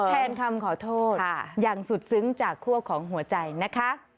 แทนคำขอโทษอย่างสุดซึ้งจากคั่วของหัวใจนะคะ